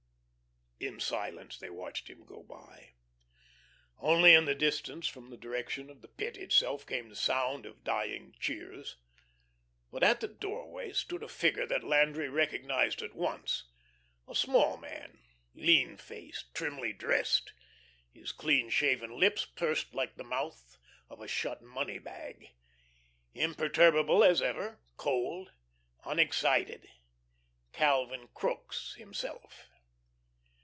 In silence they watched him go by. Only in the distance from the direction of the Pit itself came the sound of dying cheers. But at the doorway stood a figure that Landry recognised at once a small man, lean faced, trimly dressed, his clean shaven lips pursed like the mouth of a shut money bag, imperturbable as ever, cold, unexcited Calvin Crookes himself.